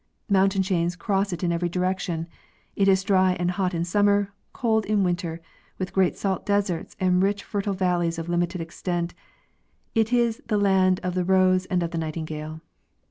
Mountain chains cross it in every direction; it is dry and hot in summer, cold in winter, with great salt deserts and rich fertile valleys of | limited extent; it is the land of the rose and the nightingale.